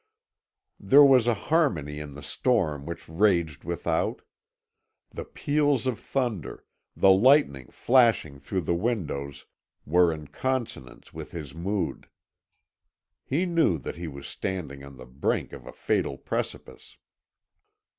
There was a harmony in the storm which raged without. The peals of thunder, the lightning flashing through the windows, were in consonance with his mood. He knew that he was standing on the brink of a fatal precipice.